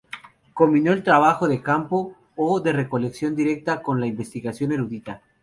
Combinó el trabajo de campo, o de recolección directa, con la investigación erudita.